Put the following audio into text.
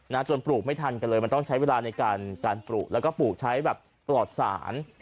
จนปลูกไม่ทันกันเลยมันต้องใช้เวลาในการการปลูกแล้วก็ปลูกใช้แบบปลอดศาล